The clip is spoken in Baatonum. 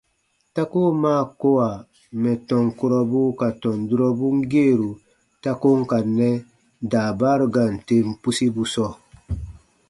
Ta koo maa kowa mɛ̀ tɔn durɔbu ka tɔn kurɔbun geeru ta ko n ka nɛ daabaaru gaan tem pusibu sɔɔ.